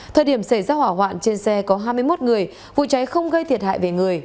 thời điểm xảy ra hỏa hoạn trên xe có hai mươi một người vụ cháy không gây thiệt hại về người